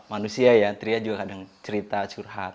namanya manusia ya triana juga kadang cerita curhat